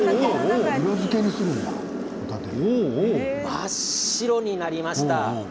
真っ白になりました。